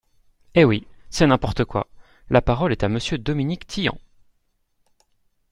Eh oui ! C’est n’importe quoi ! La parole est à Monsieur Dominique Tian.